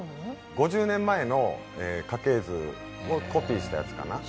５０年前の家系図をコピーしたやつかな。